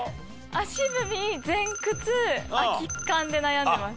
足踏み前屈空き缶で悩んでます。